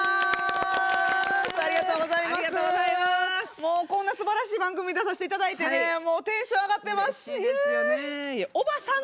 もうこんなすばらしい番組出させていただいてねテンション上がってます！